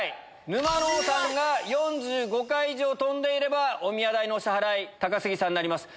沼能さんが４５回以上跳んでいればおみや代のお支払い高杉さんになります。